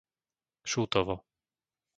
Šútovo